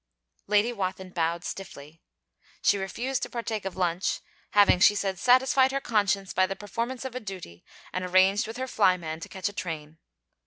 Lady Wathin bowed stiffly. She refused to partake of lunch, having, she said, satisfied her conscience by the performance of a duty and arranged with her flyman to catch a train.